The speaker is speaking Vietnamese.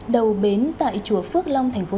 đầu bến tại chùa phước long tp thủ đức